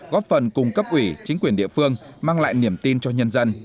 góp phần cung cấp ủy chính quyền địa phương mang lại niềm tin cho nhân dân